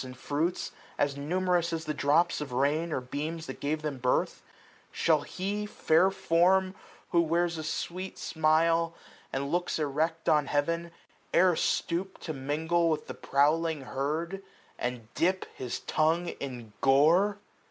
And fruits, as numerous as the drops of rain Or beams that gave them birth : Shall he, fair form ! SPRING. 15 Who wears sweet smiles, and looks erect on Heaven, E'er stoop to mingle with the prowling herd, 355 And dip his tongue in gore